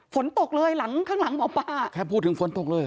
ฝนตกเลยหลังข้างหลังหมอปลาแค่พูดถึงฝนตกเลย